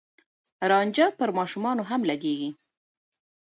رانجه پر ماشومانو هم لګېږي.